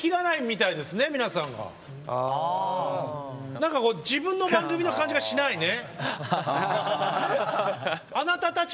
何かこう自分の番組の感じがしないね。